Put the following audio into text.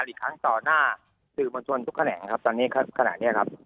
อีกครั้งต่อหน้าสื่อมวลชนทุกแขนงครับตอนนี้ขณะเนี้ยครับ